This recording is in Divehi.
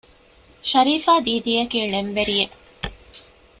ޝަރީފާ ދީދީ އަކީ ޅެންވެރިއެއް